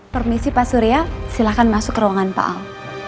permisi pak surya silahkan masuk ke ruangan pak al